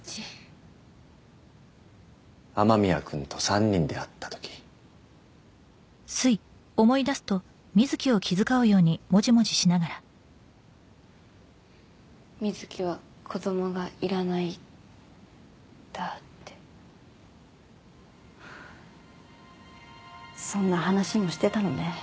雨宮君と３人で会ったとき瑞貴は子どもがいらないんだってそんな話もしてたのね